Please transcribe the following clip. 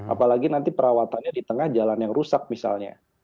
apalagi nanti perawatannya di tengah jalan yang rusak misalnya